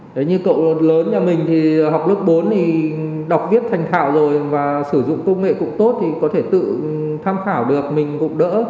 đấy như cậu lớn nhà mình thì học lớp bốn thì đọc viết thành thạo rồi và sử dụng công nghệ cũng tốt thì có thể tự tham khảo được mình gục đỡ